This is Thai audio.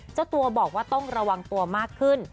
เจ้าตัวบอกว่าต้องระวังตัวมากขึ้น